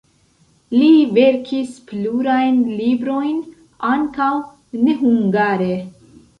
Li verkis plurajn librojn, ankaŭ nehungare.